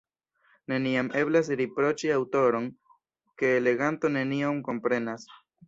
Neniam eblas riproĉi aŭtoron, ke leganto nenion komprenas.